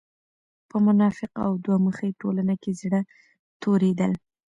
په منافقه او دوه مخې ټولنه کې زړۀ توريدل